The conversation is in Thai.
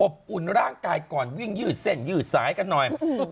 อุ่นร่างกายก่อนวิ่งยืดเส้นยืดสายกันหน่อย